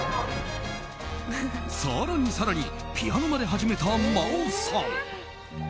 更に更にピアノまで始めた真央さん。